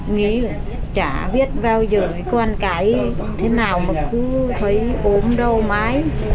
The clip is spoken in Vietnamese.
nghĩ là chả biết bao giờ con cái thế nào mà cứ thấy ốm đâu mái